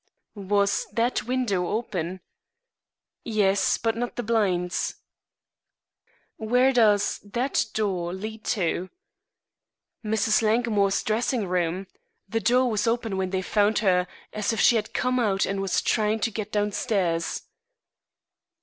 "Was that window open?" "Yes, but not the blinds." "Where does that door lead to?" "Mrs. Langmore's dressing room. The door was open when they found her as if she had come out and was trying to get downstairs."